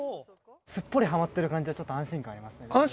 すっぽりはまってる感じはちょっと安心感ありますね。